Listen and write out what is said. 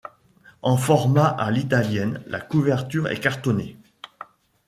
En format à l'italienne, la couverture est cartonnée.